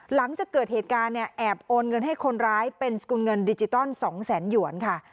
หลังจากเกิดเหตุการณ์เนี่ยแอบโอนเงินให้คนร้ายเป็นสกุลเงินดิจิตอล๒แสนหยวนค่ะ